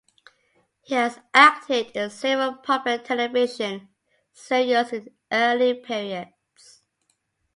He has acted in several popular television serials in the early periods.